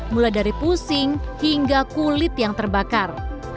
mulai dari pusing hingga kulit yang terbakar